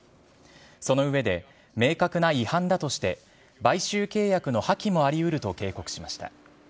その上で、明確な違反だとして、買収契約の破棄もありうると警告しました。